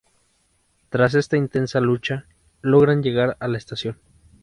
Tras esta intensa lucha, logran llegar a la estación.